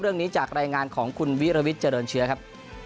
เรื่องนี้จากรายงานของคุณวิรวิทย์เจริญเชื้อครับ